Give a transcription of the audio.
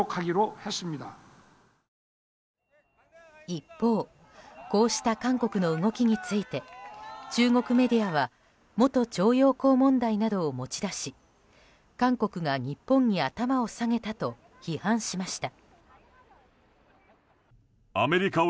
一方こうした韓国の動きについて中国メディアは元徴用工問題などを持ち出し韓国が日本に頭を下げたと批判しました。